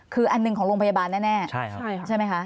คืออันหนึ่งของโรงพยาบาลแน่ใช่ไหมคะ